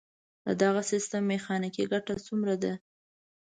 د دغه سیستم میخانیکي ګټه څومره ده؟